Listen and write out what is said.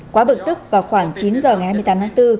quá bực tức vào khoảng chín giờ ngày hai mươi tám tháng bốn